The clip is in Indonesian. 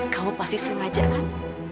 kamu pasti sengaja kan